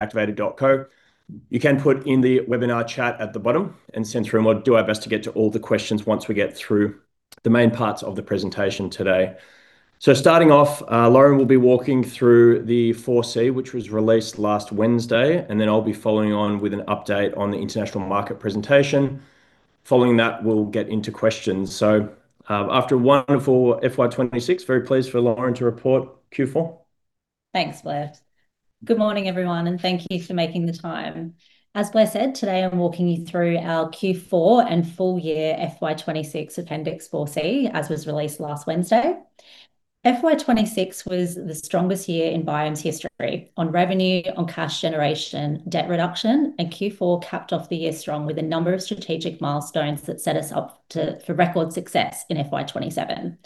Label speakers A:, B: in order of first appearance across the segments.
A: activated.co. You can put in the webinar chat at the bottom and send through, and we'll do our best to get to all the questions once we get through the main parts of the presentation today. Starting off, Lauren will be walking through the 4C, which was released last Wednesday, I'll be following on with an update on the international market presentation. Following that, we'll get into questions. After a wonderful FY 2026, very pleased for Lauren to report Q4.
B: Thanks, Blair. Good morning, everyone, and thank you for making the time. As Blair said, today I am walking you through our Q4 and full year FY 2026 Appendix 4C, as was released last Wednesday. FY 2026 was the strongest year in Biome's history on revenue, on cash generation, debt reduction, and Q4 capped off the year strong with a number of strategic milestones that set us up for record success in FY 2027.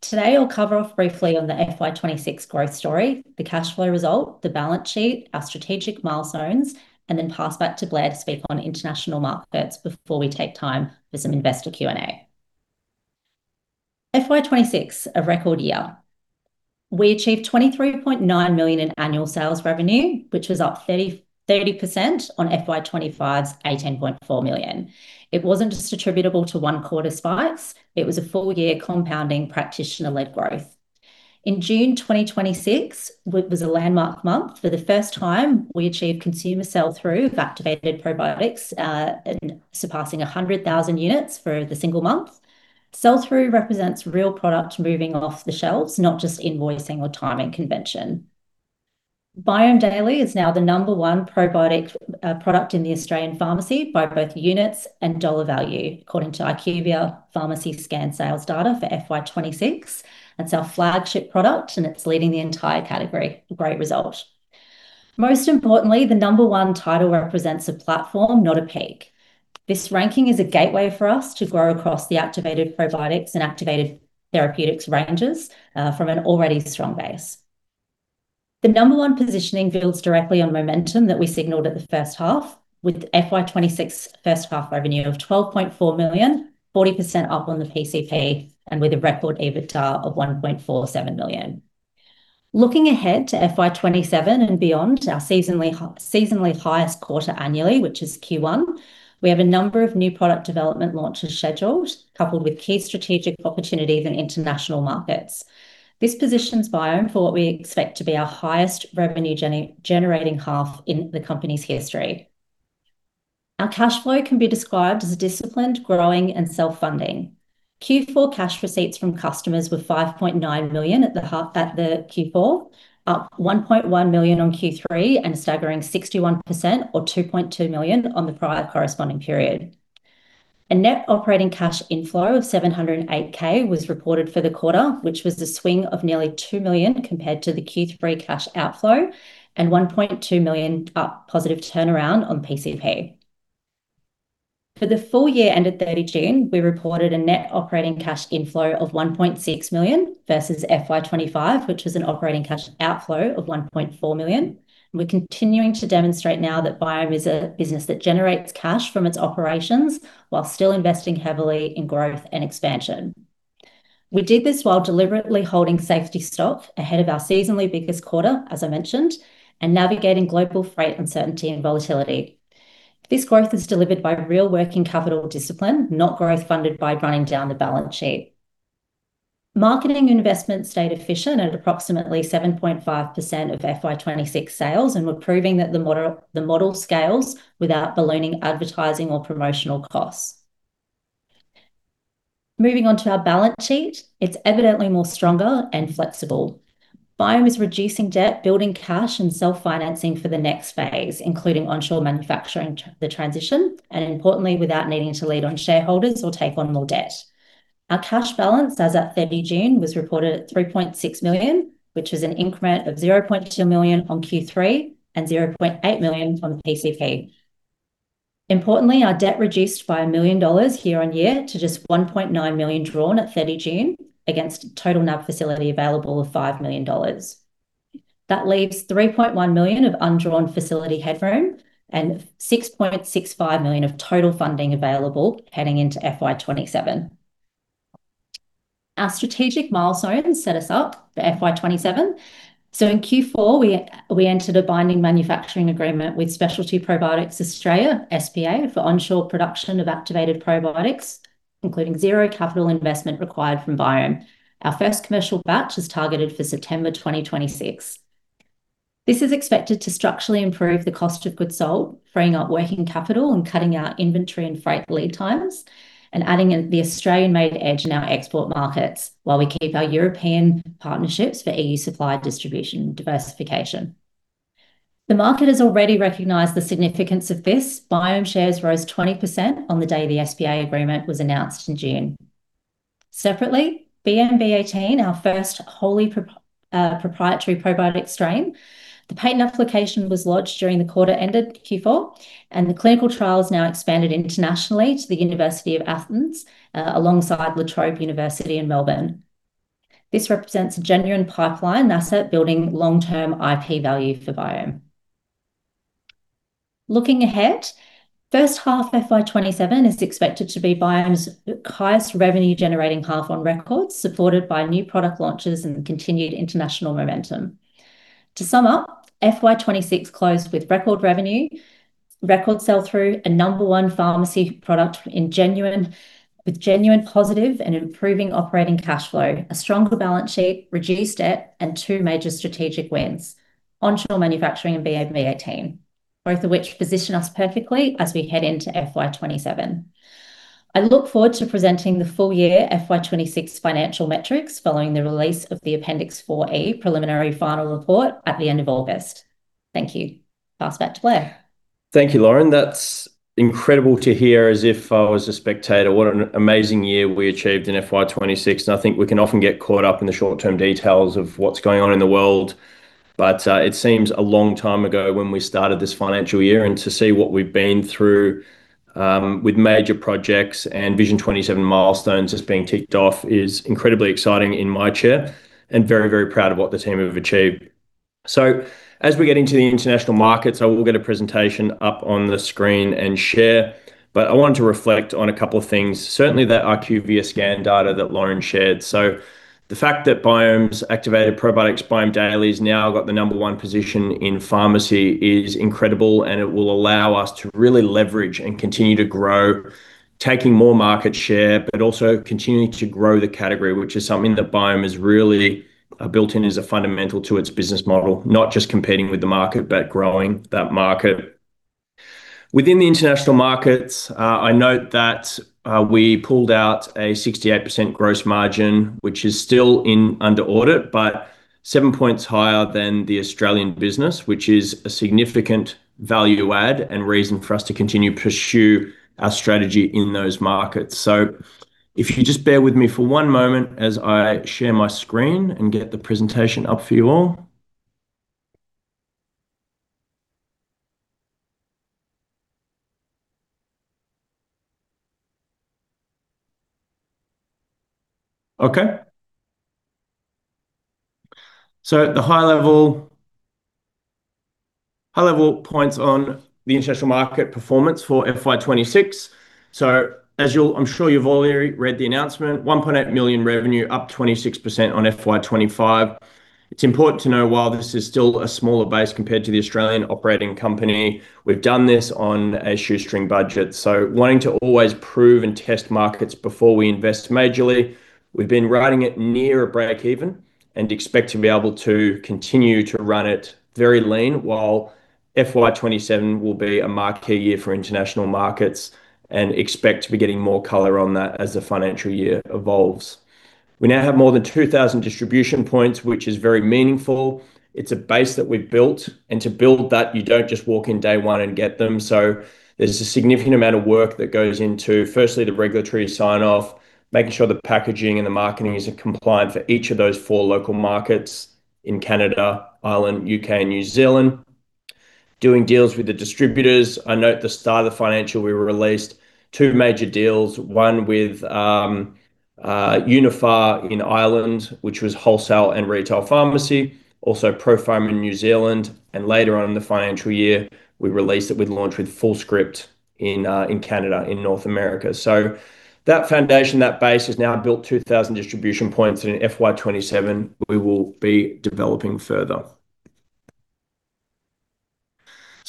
B: Today, I will cover off briefly on the FY 2026 growth story, the cash flow result, the balance sheet, our strategic milestones, then pass back to Blair to speak on international markets before we take time for some investor Q&A. FY 2026, a record year. We achieved 23.9 million in annual sales revenue, which was up 30% on FY 2025's 18.4 million. It wasn't just attributable to one quarter spikes, it was a full year compounding practitioner-led growth. In June 2026, was a landmark month. For the first time, we achieved consumer sell-through of Activated Probiotics, surpassing 100,000 units for the single month. Sell-through represents real product moving off the shelves, not just invoicing or timing convention. Biome Daily is now the number one probiotic product in the Australian pharmacy by both units and dollar value, according to IQVIA Pharmacy Scan sales data for FY 2026. It's our flagship product and it's leading the entire category. A great result. Most importantly, the number one title represents a platform, not a peak. This ranking is a gateway for us to grow across the Activated Probiotics and Activated Therapeutics ranges from an already strong base. The number one positioning builds directly on momentum that we signaled at the first half with FY 2026 first half revenue of 12.4 million, 40% up on the PCP and with a record EBITDA of 1.47 million. Looking ahead to FY 2027 and beyond, our seasonally highest quarter annually, which is Q1, we have a number of new product development launches scheduled, coupled with key strategic opportunities in international markets. This positions Biome for what we expect to be our highest revenue-generating half in the company's history. Our cash flow can be described as disciplined, growing, and self-funding. Q4 cash receipts from customers were 5.9 million at the Q4, up 1.1 million on Q3, and a staggering 61%, or 2.2 million, on the prior corresponding period. A net operating cash inflow of 708K was reported for the quarter, which was a swing of nearly 2 million compared to the Q3 cash outflow, and 1.2 million up positive turnaround on PCP. For the full year end of 30 June, we reported a net operating cash inflow of 1.6 million versus FY 2025, which was an operating cash outflow of 1.4 million. We're continuing to demonstrate now that Biome is a business that generates cash from its operations while still investing heavily in growth and expansion. We did this while deliberately holding safety stock ahead of our seasonally biggest quarter, as I mentioned, and navigating global freight uncertainty and volatility. This growth is delivered by real working capital discipline, not growth funded by running down the balance sheet. Marketing investment stayed efficient at approximately 7.5% of FY 2026 sales, and we're proving that the model scales without ballooning advertising or promotional costs. Moving on to our balance sheet. It's evidently more stronger and flexible. Biome is reducing debt, building cash, and self-financing for the next phase, including onshore manufacturing the transition, and importantly, without needing to lean on shareholders or take on more debt. Our cash balance as at 30 June was reported at 3.6 million, which is an increment of 0.2 million on Q3 and 0.8 million on PCP. Importantly, our debt reduced by 1 million dollars year-on-year to just 1.9 million drawn at 30 June against a total NAB facility available of 5 million dollars. That leaves 3.1 million of undrawn facility headroom and 6.65 million of total funding available heading into FY 2027. Our strategic milestones set us up for FY 2027. In Q4, we entered a binding manufacturing agreement with Specialty Probiotics Australia, SPA, for onshore production of Activated Probiotics, including zero capital investment required from Biome. Our first commercial batch is targeted for September 2026. This is expected to structurally improve the cost of goods sold, freeing up working capital and cutting out inventory and freight lead times, and adding the Australian-made edge in our export markets while we keep our European partnerships for EU supply distribution diversification. The market has already recognized the significance of this. Biome shares rose 20% on the day the SPA agreement was announced in June. Separately, BMB18, our first wholly proprietary probiotic strain. The patent application was lodged during the quarter end of Q4, and the clinical trial is now expanded internationally to the University of Athens, alongside La Trobe University in Melbourne. This represents a genuine pipeline asset building long-term IP value for Biome. Looking ahead, first half FY 2027 is expected to be Biome's highest revenue-generating half on record, supported by new product launches and continued international momentum. To sum up, FY 2026 closed with record revenue, record sell-through, a number one pharmacy product with genuine positive and improving operating cash flow, a stronger balance sheet, reduced debt, and two major strategic wins, onshore manufacturing and BMB18, both of which position us perfectly as we head into FY 2027. I look forward to presenting the full year FY 2026 financial metrics following the release of the Appendix 4E preliminary final report at the end of August. Thank you. Pass back to Blair.
A: Thank you, Lauren. That's incredible to hear, as if I was a spectator. What an amazing year we achieved in FY 2026, I think we can often get caught up in the short-term details of what's going on in the world. It seems a long time ago when we started this financial year, and to see what we've been through with major projects and Vision 2027 milestones just being ticked off is incredibly exciting in my chair, and very, very proud of what the team have achieved. As we get into the international markets, I will get a presentation up on the screen and share. I wanted to reflect on a couple of things. Certainly, that IQVIA scan data that Lauren shared. The fact that Biome's Activated Probiotics Biome Daily's now got the number one position in pharmacy is incredible, it will allow us to really leverage and continue to grow, taking more market share, also continuing to grow the category, which is something that Biome has really built in as a fundamental to its business model. Not just competing with the market, but growing that market. Within the international markets, I note that we pulled out a 68% gross margin, which is still under audit, but seven points higher than the Australian business, which is a significant value add and reason for us to continue to pursue our strategy in those markets. If you just bear with me for one moment as I share my screen and get the presentation up for you all. Okay. The high-level points on the international market performance for FY 2026. I'm sure you've all read the announcement. 1.8 million revenue, up 26% on FY 2025. It's important to know while this is still a smaller base compared to the Australian operating company, we've done this on a shoestring budget. Wanting to always prove and test markets before we invest majorly. We've been riding it near a break-even and expect to be able to continue to run it very lean while FY 2027 will be a marquee year for international markets, expect to be getting more color on that as the financial year evolves. We now have more than 2,000 distribution points, which is very meaningful. It's a base that we've built, and to build that, you don't just walk in day one and get them. There's a significant amount of work that goes into, firstly, the regulatory sign-off, making sure the packaging and the marketing is compliant for each of those four local markets in Canada, Ireland, U.K., and New Zealand. Doing deals with the distributors. I note at the start of the financial we released two major deals, one with Uniphar in Ireland, which was wholesale and retail pharmacy, also ProPharma in New Zealand, and later on in the financial year, we released that we'd launch with Fullscript in Canada, in North America. That foundation, that base, has now built 2,000 distribution points, and in FY 2027 we will be developing further.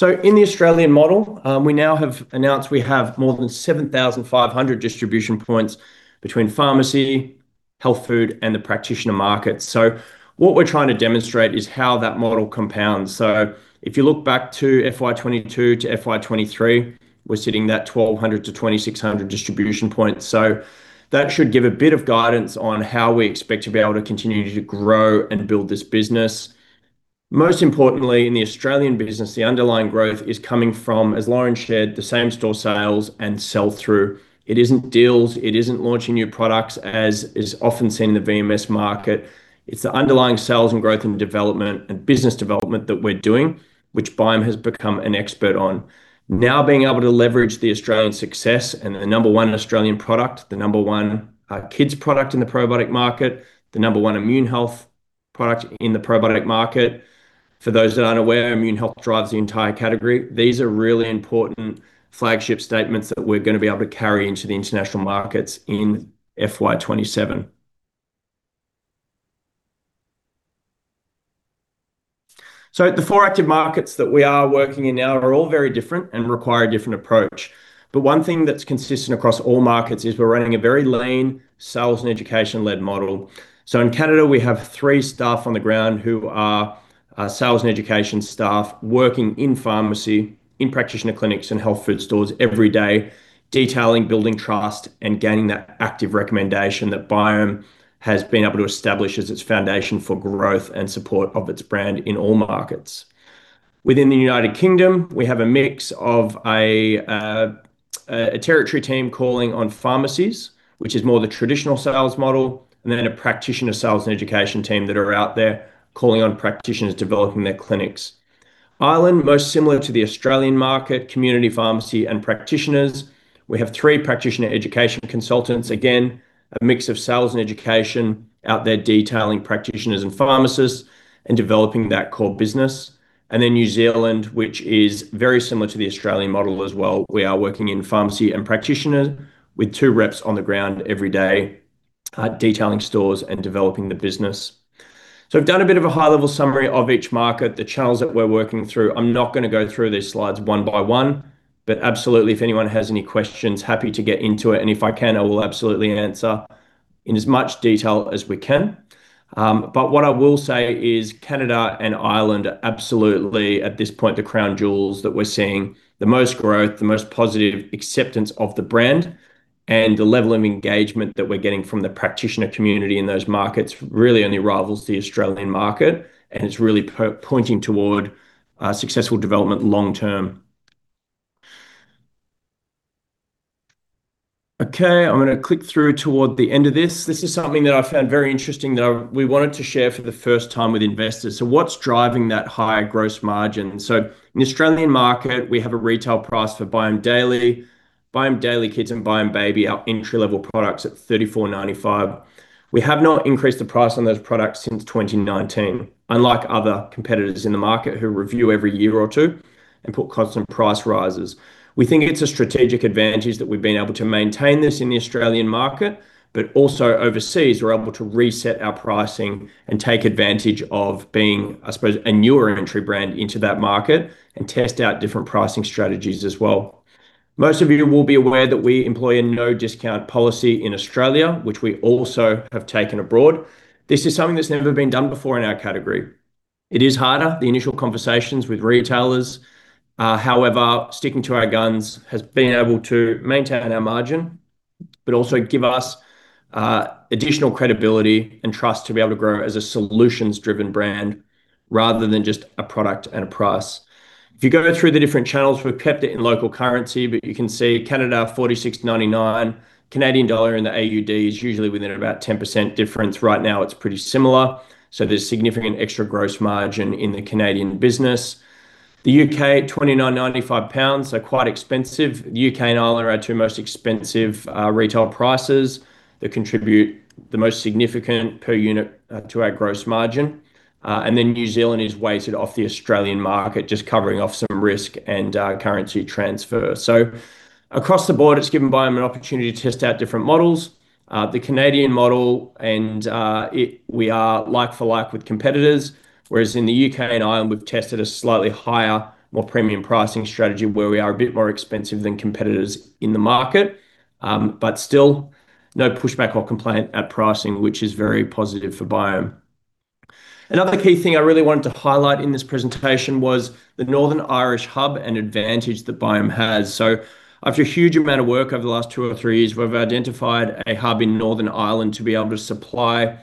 A: In the Australian model, we now have announced we have more than 7,500 distribution points between pharmacy, health food, and the practitioner markets. What we're trying to demonstrate is how that model compounds. If you look back to FY 2022 to FY 2023, we're sitting at 1,200 to 2,600 distribution points. That should give a bit of guidance on how we expect to be able to continue to grow and build this business. Most importantly, in the Australian business, the underlying growth is coming from, as Lauren shared, the same-store sales and sell-through. It isn't deals. It isn't launching new products, as is often seen in the VMS market. It's the underlying sales and growth and development and business development that we're doing, which Biome has become an expert on. Now being able to leverage the Australian success and the number one Australian product, the number one kids product in the probiotic market, the number one immune health product in the probiotic market. For those that aren't aware, immune health drives the entire category. These are really important flagship statements that we're going to be able to carry into the international markets in FY 2027. The four active markets that we are working in now are all very different and require a different approach. One thing that's consistent across all markets is we're running a very lean sales and education-led model. In Canada, we have three staff on the ground who are sales and education staff working in pharmacy, in practitioner clinics, and health food stores every day, detailing, building trust, and gaining that active recommendation that Biome has been able to establish as its foundation for growth and support of its brand in all markets. Within the U.K., we have a mix of a territory team calling on pharmacies, which is more the traditional sales model, and then a practitioner sales and education team that are out there calling on practitioners, developing their clinics. Ireland, most similar to the Australian market, community pharmacy, and practitioners. We have three practitioner education consultants. Again, a mix of sales and education out there detailing practitioners and pharmacists and developing that core business. New Zealand, which is very similar to the Australian model as well. We are working in pharmacy and practitioner with two reps on the ground every day, detailing stores and developing the business. I've done a bit of a high-level summary of each market, the channels that we're working through. I'm not going to go through these slides one by one, absolutely, if anyone has any questions, happy to get into it. If I can, I will absolutely answer in as much detail as we can. What I will say is Canada and Ireland are absolutely, at this point, the crown jewels that we're seeing the most growth, the most positive acceptance of the brand, and the level of engagement that we're getting from the practitioner community in those markets really only rivals the Australian market. It's really pointing toward successful development long term. Okay. I'm going to click through toward the end of this. This is something that I found very interesting that we wanted to share for the first time with investors. What's driving that high gross margin? In the Australian market, we have a retail price for Biome Daily, Biome Daily Kids, and Biome Baby, our entry-level products at AUD 34.95. We have not increased the price on those products since 2019, unlike other competitors in the market who review every year or two and put constant price rises. We think it's a strategic advantage that we've been able to maintain this in the Australian market, but also overseas, we're able to reset our pricing and take advantage of being, I suppose, a newer entry brand into that market and test out different pricing strategies as well. Most of you will be aware that we employ a no discount policy in Australia, which we also have taken abroad. This is something that's never been done before in our category. It is harder, the initial conversations with retailers. Sticking to our guns has been able to maintain our margin, but also give us additional credibility and trust to be able to grow as a solutions-driven brand rather than just a product and a price. If you go through the different channels, we've kept it in local currency, but you can see Canada, 46.99. Canadian dollar and the AUD is usually within about 10% difference. Right now, it's pretty similar. So there's significant extra gross margin in the Canadian business. The U.K., 29.95 pounds, so quite expensive. The U.K. and Ireland are our two most expensive retail prices that contribute the most significant per unit to our gross margin. New Zealand is weighted off the Australian market, just covering off some risk and currency transfer. Across the board, it's given Biome an opportunity to test out different models. The Canadian model, and we are like for like with competitors. In the U.K. and Ireland, we've tested a slightly higher, more premium pricing strategy where we are a bit more expensive than competitors in the market. But still, no pushback or complaint at pricing, which is very positive for Biome. Another key thing I really wanted to highlight in this presentation was the Northern Irish hub and advantage that Biome has. After a huge amount of work over the last two or three years, we've identified a hub in Northern Ireland to be able to supply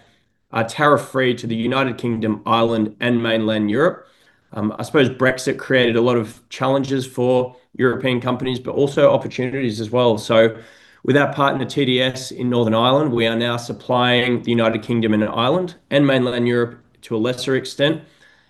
A: tariff-free to the United Kingdom, Ireland, and mainland Europe. I suppose Brexit created a lot of challenges for European companies, but also opportunities as well. With our partner, TDS, in Northern Ireland, we are now supplying the United Kingdom and Ireland, and mainland Europe to a lesser extent.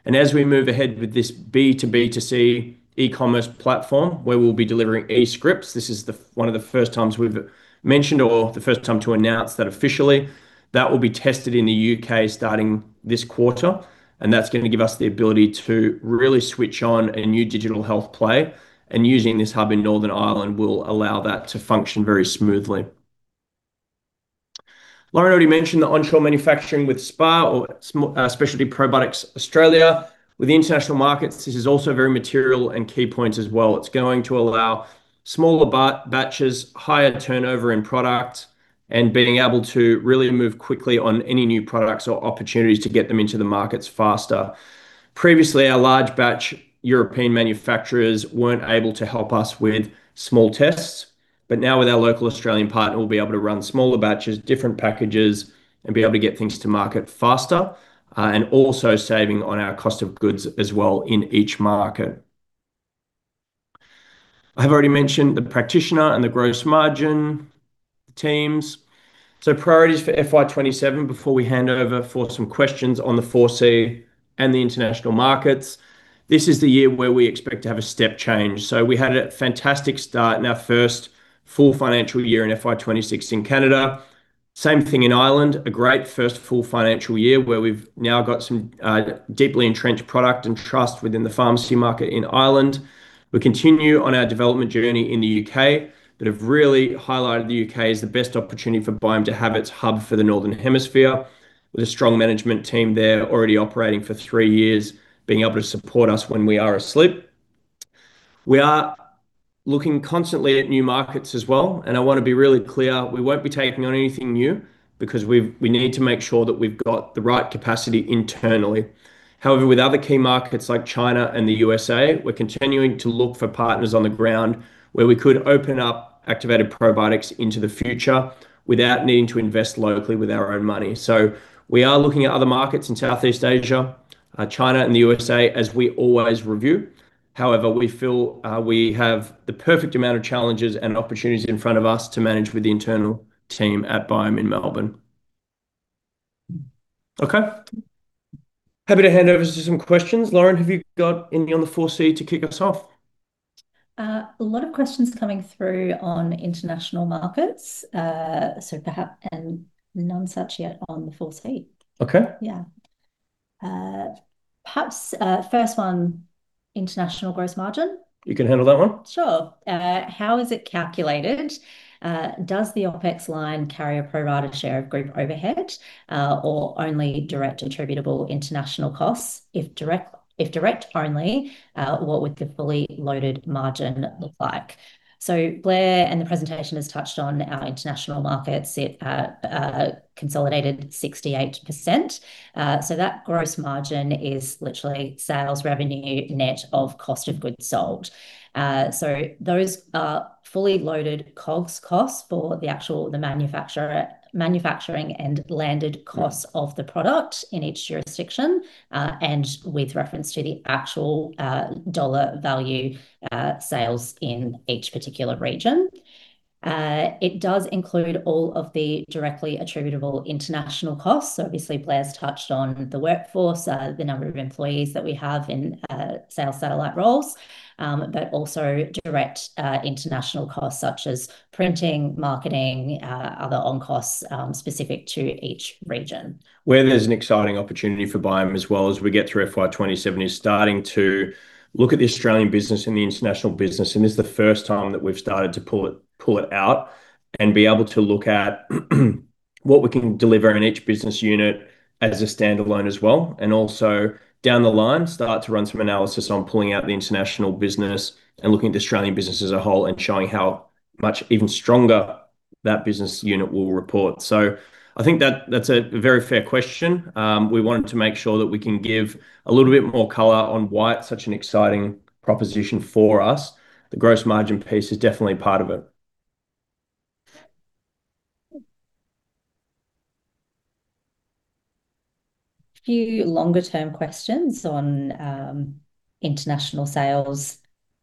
A: As we move ahead with this B2B2C e-commerce platform, where we'll be delivering eScripts, this is one of the first times we've mentioned or the first time to announce that officially. That will be tested in the U.K. starting this quarter, and that's going to give us the ability to really switch on a new digital health play. Using this hub in Northern Ireland will allow that to function very smoothly. Lauren already mentioned the onshore manufacturing with SPA or Specialty Probiotics Australia. With the international markets, this is also very material and key points as well. It's going to allow smaller batches, higher turnover in product, and being able to really move quickly on any new products or opportunities to get them into the markets faster. Previously, our large batch European manufacturers weren't able to help us with small tests. Now with our local Australian partner, we'll be able to run smaller batches, different packages, and be able to get things to market faster, and also saving on our cost of goods as well in each market. I have already mentioned the practitioner and the gross margin teams. Priorities for FY 2027 before we hand over for some questions on the 4C and the international markets. This is the year where we expect to have a step change. We had a fantastic start in our first full financial year in FY 2026 in Canada. Same thing in Ireland, a great first full financial year where we've now got some deeply entrenched product and trust within the pharmacy market in Ireland. We continue on our development journey in the U.K. but have really highlighted the U.K. as the best opportunity for Biome to have its hub for the northern hemisphere, with a strong management team there already operating for three years, being able to support us when we are asleep. We are looking constantly at new markets as well, and I want to be really clear, we won't be taking on anything new because we need to make sure that we've got the right capacity internally. However, with other key markets like China and the U.S.A., we're continuing to look for partners on the ground where we could open up Activated Probiotics into the future without needing to invest locally with our own money. We are looking at other markets in Southeast Asia, China, and the U.S.A. as we always review. However, we feel we have the perfect amount of challenges and opportunities in front of us to manage with the internal team at Biome in Melbourne. Okay. Happy to hand over to some questions. Lauren, have you got any on the 4C to kick us off?
B: A lot of questions coming through on international markets, so perhaps and none such yet on the 4C.
A: Okay.
B: Yeah. Perhaps, first one, international gross margin.
A: You can handle that one?
B: Sure. How is it calculated? Does the OpEx line carry a pro rata share of group overhead, or only direct attributable international costs? If direct only, what would the fully loaded margin look like? Blair, in the presentation, has touched on our international markets at consolidated 68%, that gross margin is literally sales revenue net of cost of goods sold. Those are fully loaded COGS costs for the actual, the manufacturing and landed costs of the product in each jurisdiction, and with reference to the actual dollar value, sales in each particular region. It does include all of the directly attributable international costs. Obviously Blair's touched on the workforce, the number of employees that we have in sales satellite roles. Also direct international costs such as printing, marketing, other on costs specific to each region.
A: Where there's an exciting opportunity for Biome as well as we get through FY 2027 is starting to look at the Australian business and the international business, this is the first time that we've started to pull it out and be able to look at what we can deliver in each business unit as a standalone as well, also down the line, start to run some analysis on pulling out the international business and looking at the Australian business as a whole and showing how much even stronger that business unit will report. I think that's a very fair question. We wanted to make sure that we can give a little bit more color on why it's such an exciting proposition for us. The gross margin piece is definitely part of it.
B: Few longer term questions on international sales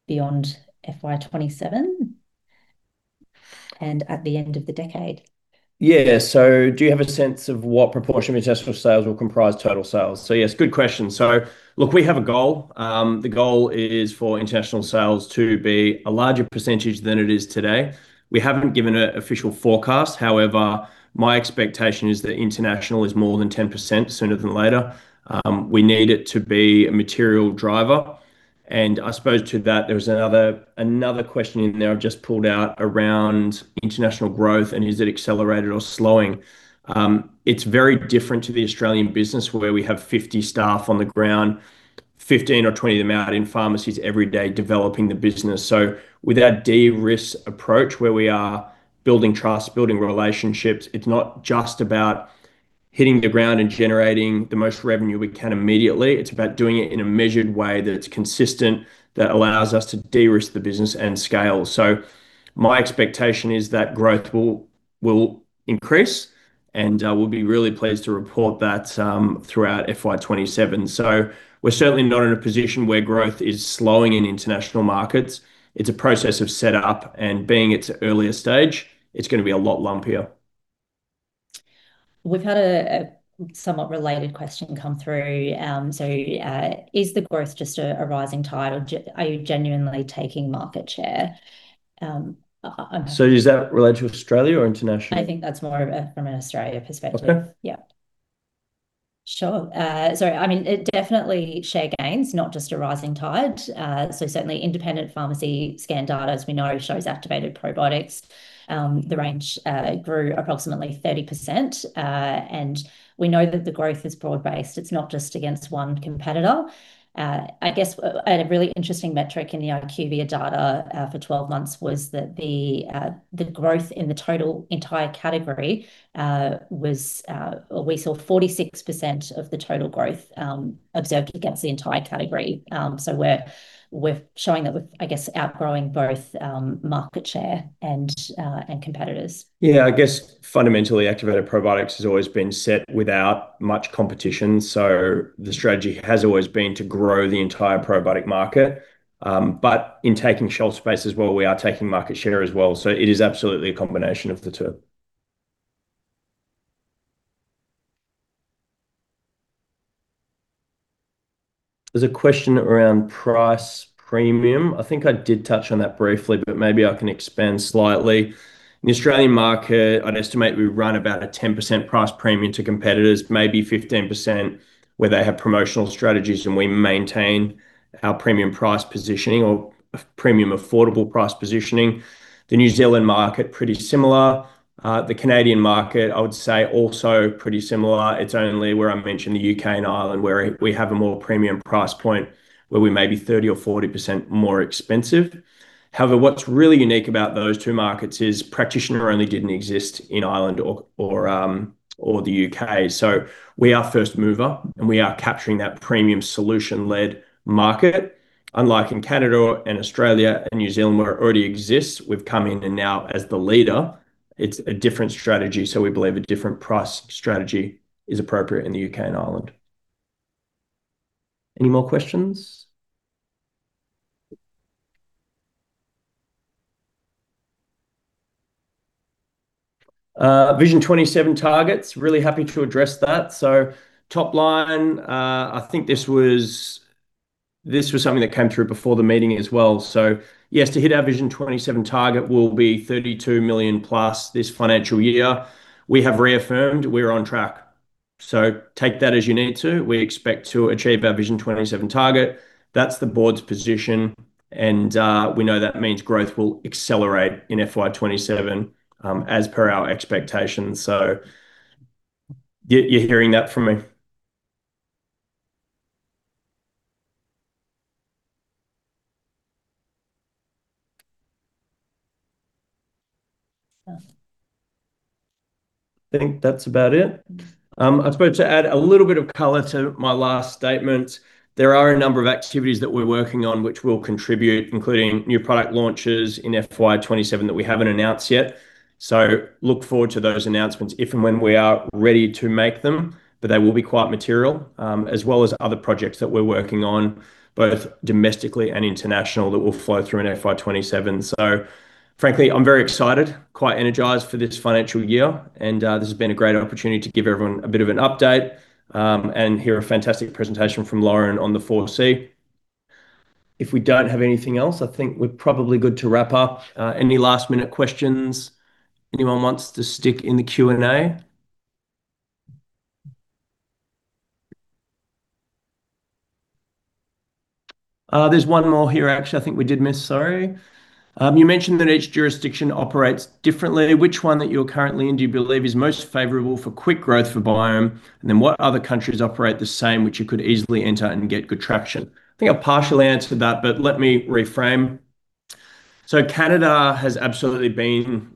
B: beyond FY 2027 and at the end of the decade.
A: Yeah. Do you have a sense of what proportion of international sales will comprise total sales? Yes, good question. Look, we have a goal. The goal is for international sales to be a larger percentage than it is today. We haven't given an official forecast. However, my expectation is that international is more than 10% sooner than later. We need it to be a material driver. I suppose to that, there was another question in there I've just pulled out around international growth and is it accelerated or slowing. It's very different to the Australian business where we have 50 staff on the ground, 15 or 20 of them out in pharmacies every day developing the business. With our de-risk approach where we are building trust, building relationships, it's not just about hitting the ground and generating the most revenue we can immediately. It's about doing it in a measured way that it's consistent, that allows us to de-risk the business and scale. My expectation is that growth will increase and we'll be really pleased to report that throughout FY 2027. We're certainly not in a position where growth is slowing in international markets. It's a process of set up and being it's earlier stage, it's going to be a lot lumpier.
B: We've had a somewhat related question come through. Is the growth just a rising tide or are you genuinely taking market share?
A: Is that related to Australia or international?
B: I think that's more from an Australia perspective.
A: Okay.
B: Yeah. Sure. Sorry. It definitely share gains, not just a rising tide. Certainly independent pharmacy scan data as we know shows Activated Probiotics. The range grew approximately 30%, and we know that the growth is broad-based. It's not just against one competitor. I guess a really interesting metric in the IQVIA data for 12 months was that the growth in the total entire category, we saw 46% of the total growth observed against the entire category. We're showing that we're, I guess, outgrowing both market share and competitors.
A: Yeah. I guess fundamentally Activated Probiotics has always been set without much competition, the strategy has always been to grow the entire probiotic market. In taking shelf space as well, we are taking market share as well. It is absolutely a combination of the two. There's a question around price premium. I think I did touch on that briefly, but maybe I can expand slightly. In the Australian market, I'd estimate we run about a 10% price premium to competitors, maybe 15% where they have promotional strategies and we maintain our premium price positioning or premium affordable price positioning. The New Zealand market, pretty similar. The Canadian market I would say also pretty similar. It's only where I mentioned the U.K. and Ireland where we have a more premium price point where we may be 30% or 40% more expensive. What's really unique about those two markets is practitioner only didn't exist in Ireland or the U.K. We are first mover and we are capturing that premium solution-led market. Unlike in Canada and Australia and New Zealand where it already exists, we've come in and now as the leader, it's a different strategy so we believe a different price strategy is appropriate in the U.K. and Ireland. Any more questions? Vision 2027 targets. Really happy to address that. Topline, I think this was something that came through before the meeting as well. Yes, to hit our Vision 2027 target will be 32 million plus this financial year. We have reaffirmed we're on track, so take that as you need to. We expect to achieve our Vision 2027 target. That's the board's position, and we know that means growth will accelerate in FY 2027, as per our expectations. You're hearing that from me.
B: Yes.
A: I think that's about it. I suppose to add a little bit of color to my last statement, there are a number of activities that we're working on which will contribute, including new product launches in FY 2027 that we haven't announced yet. Look forward to those announcements if and when we are ready to make them, but they will be quite material. As well as other projects that we're working on, both domestically and international, that will flow through in FY 2027. Frankly, I'm very excited, quite energized for this financial year, and this has been a great opportunity to give everyone a bit of an update, and hear a fantastic presentation from Lauren on the 4C. If we don't have anything else, I think we're probably good to wrap up. Any last-minute questions anyone wants to stick in the Q&A? There's one more here, actually, I think we did miss. Sorry. You mentioned that each jurisdiction operates differently. Which one that you're currently in do you believe is most favorable for quick growth for Biome, and then what other countries operate the same, which you could easily enter and get good traction? I think I partially answered that, but let me reframe. Canada has absolutely been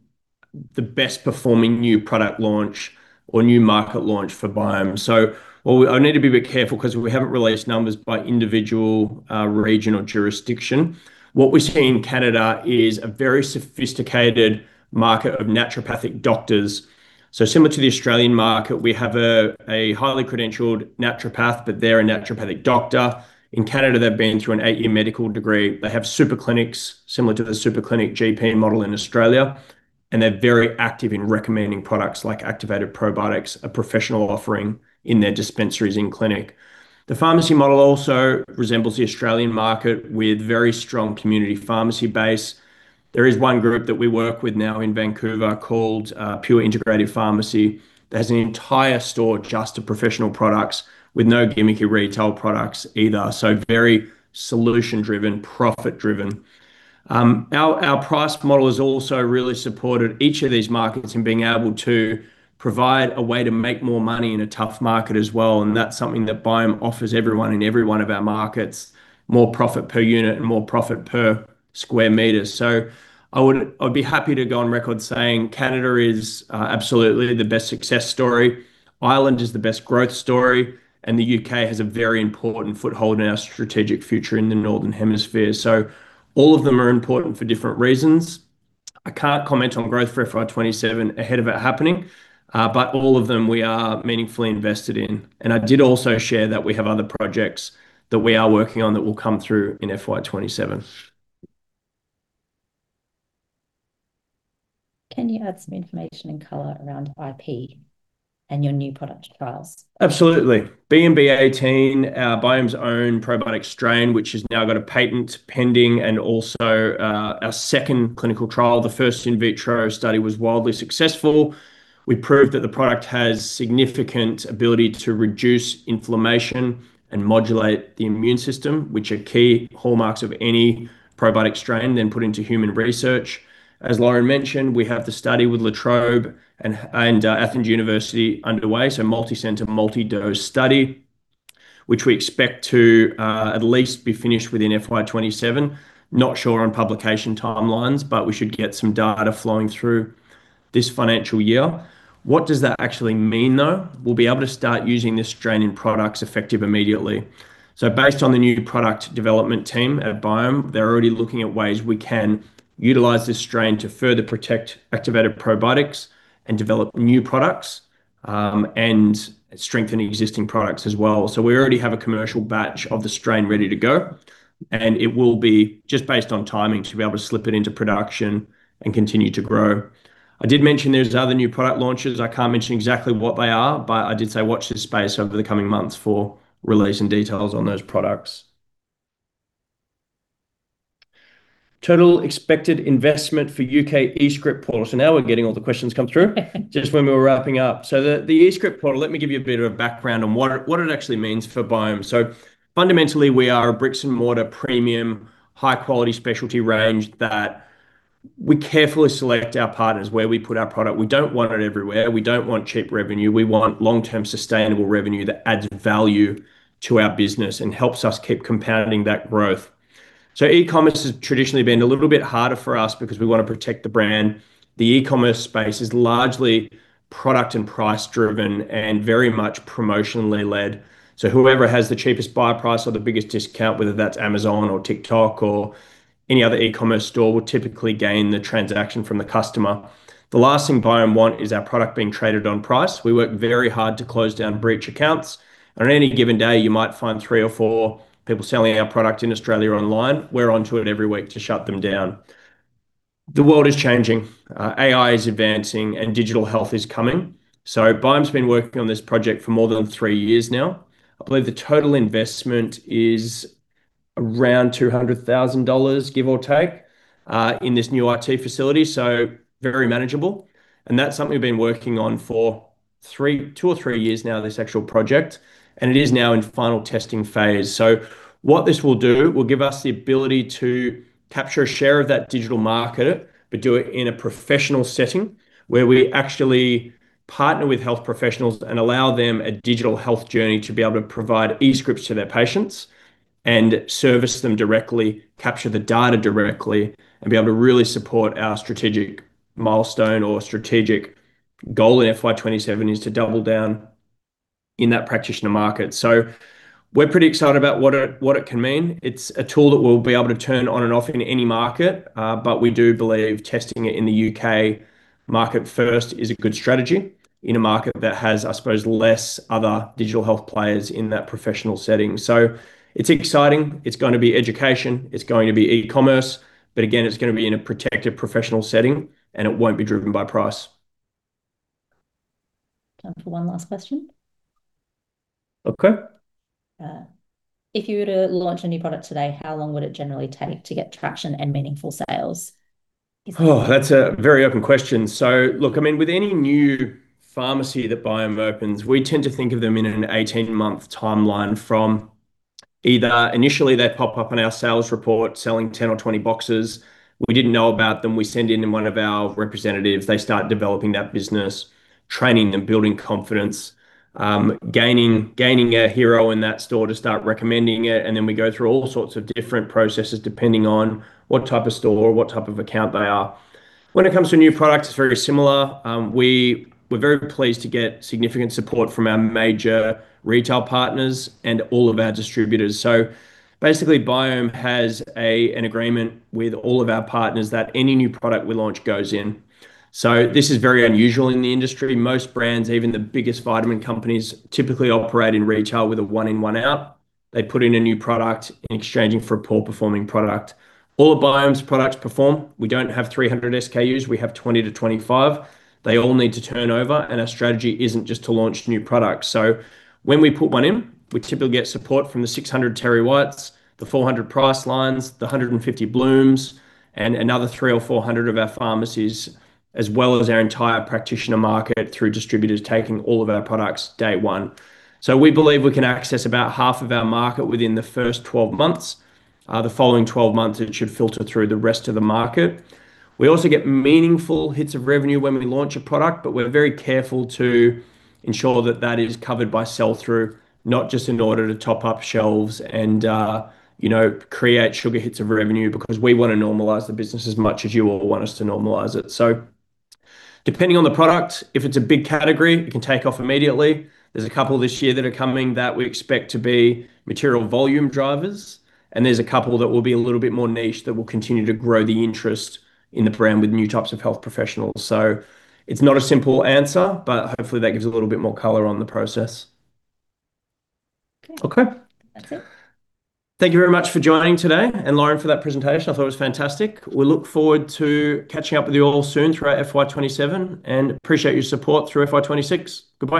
A: the best performing new product launch or new market launch for Biome. I need to be a bit careful because we haven't released numbers by individual region or jurisdiction. What we see in Canada is a very sophisticated market of naturopathic doctors. Similar to the Australian market, we have a highly credentialed naturopath, but they're a naturopathic doctor. In Canada, they've been through an eight-year medical degree. They have super clinics similar to the super clinic GP model in Australia, they're very active in recommending products like Activated Probiotics, a professional offering in their dispensaries in clinic. The pharmacy model also resembles the Australian market with very strong community pharmacy base. There is one group that we work with now in Vancouver called Pure Integrative Pharmacy. That has an entire store just of professional products with no gimmicky retail products either. Very solution driven, profit driven. Our price model has also really supported each of these markets in being able to provide a way to make more money in a tough market as well, that's something that Biome offers everyone in every one of our markets, more profit per unit and more profit per square meter. I'd be happy to go on record saying Canada is absolutely the best success story. Ireland is the best growth story, the U.K. has a very important foothold in our strategic future in the Northern Hemisphere. All of them are important for different reasons. I can't comment on growth for FY 2027 ahead of it happening. All of them we are meaningfully invested in. I did also share that we have other projects that we are working on that will come through in FY 2027.
B: Can you add some information and color around IP and your new product trials?
A: Absolutely. BMB18, Biome's own probiotic strain, which has now got a patent pending and also our second clinical trial. The first in vitro study was wildly successful. We proved that the product has significant ability to reduce inflammation and modulate the immune system, which are key hallmarks of any probiotic strain then put into human research. As Lauren mentioned, we have the study with La Trobe and Athens University underway, multi-center, multi-dose study, which we expect to at least be finished within FY 2027. Not sure on publication timelines, but we should get some data flowing through this financial year. What does that actually mean, though? We'll be able to start using this strain in products effective immediately. Based on the new product development team at Biome, they're already looking at ways we can utilize this strain to further protect Activated Probiotics and develop new products, and strengthen existing products as well. We already have a commercial batch of the strain ready to go, and it will be just based on timing to be able to slip it into production and continue to grow. I did mention there's other new product launches. I can't mention exactly what they are, but I did say watch this space over the coming months for release and details on those products. Total expected investment for U.K. eScript portal. Now we're getting all the questions come through just when we were wrapping up. The eScript portal, let me give you a bit of a background on what it actually means for Biome. Fundamentally, we are a bricks-and-mortar premium, high-quality specialty range that we carefully select our partners where we put our product. We don't want it everywhere. We don't want cheap revenue. We want long-term sustainable revenue that adds value to our business and helps us keep compounding that growth. E-commerce has traditionally been a little bit harder for us because we want to protect the brand. The e-commerce space is largely product and price driven and very much promotionally led. Whoever has the cheapest buy price or the biggest discount, whether that's Amazon or TikTok or any other e-commerce store, will typically gain the transaction from the customer. The last thing Biome want is our product being traded on price. We work very hard to close down breach accounts. And on any given day, you might find three or four people selling our product in Australia online. We're onto it every week to shut them down. The world is changing. AI is advancing and digital health is coming. Biome's been working on this project for more than three years now. I believe the total investment is around 200,000 dollars, give or take, in this new IT facility, very manageable. And that's something we've been working on for two or three years now, this actual project, and it is now in final testing phase. What this will do, will give us the ability to capture a share of that digital market, but do it in a professional setting where we actually partner with health professionals and allow them a digital health journey to be able to provide eScripts to their patients and service them directly, capture the data directly, and be able to really support our strategic milestone or strategic goal in FY 2027, is to double down in that practitioner market. We're pretty excited about what it can mean. It's a tool that we'll be able to turn on and off in any market. We do believe testing it in the U.K. market first is a good strategy in a market that has, I suppose, less other digital health players in that professional setting. It's exciting. It's going to be education, it's going to be e-commerce, again, it's going to be in a protected professional setting and it won't be driven by price.
B: Time for one last question.
A: Okay.
B: If you were to launch a new product today, how long would it generally take to get traction and meaningful sales?
A: Oh, that's a very open question. Look, with any new pharmacy that Biome opens, we tend to think of them in an 18-month timeline from either initially they pop up on our sales report selling 10 or 20 boxes. We didn't know about them. We send in one of our representatives. They start developing that business, training them, building confidence, gaining a hero in that store to start recommending it, then we go through all sorts of different processes depending on what type of store or what type of account they are. When it comes to new products, it's very similar. We were very pleased to get significant support from our major retail partners and all of our distributors. Basically, Biome has an agreement with all of our partners that any new product we launch goes in. This is very unusual in the industry. Most brands, even the biggest vitamin companies, typically operate in retail with a one in, one out. They put in a new product in exchanging for a poor performing product. All of Biome's products perform. We don't have 300 SKUs. We have 20 to 25. They all need to turnover. Our strategy isn't just to launch new products. When we put one in, we typically get support from the 600 TerryWhites, the 400 Pricelines, the 150 Blooms, and another 300 or 400 of our pharmacies, as well as our entire practitioner market through distributors taking all of our products day one. We believe we can access about half of our market within the first 12 months. The following 12 months, it should filter through the rest of the market. We also get meaningful hits of revenue when we launch a product. We're very careful to ensure that that is covered by sell-through, not just in order to top up shelves and create sugar hits of revenue because we want to normalize the business as much as you all want us to normalize it. Depending on the product, if it's a big category, it can take off immediately. There's a couple this year that are coming that we expect to be material volume drivers. There's a couple that will be a little bit more niche that will continue to grow the interest in the brand with new types of health professionals. Hopefully that gives a little bit more color on the process.
B: Okay.
A: Okay.
B: That's it.
A: Thank you very much for joining today, and Lauren for that presentation. I thought it was fantastic. We look forward to catching up with you all soon throughout FY 2027, and appreciate your support through FY 2026. Goodbye.